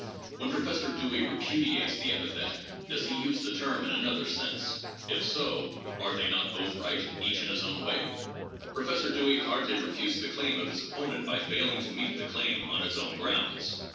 "When Pro fessor Dewey repudiates the epithet, does he use the term in another sense 1 If so, are they not both right, each in his own way 1 Pro fessor Dewey hardly refutes the claim of his opponent by failing to meet the claim on its own grounds.